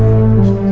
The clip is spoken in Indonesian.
terima kasih semua